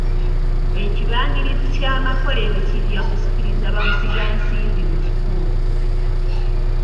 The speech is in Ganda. Ekibangirizi ky'amakolero kijja kusikiriza baamusiga nsimbi mu kitundu.